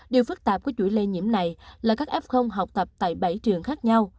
điều phức tạp của chuỗi lây nhiễm này là các f học tập tại bảy trường khác nhau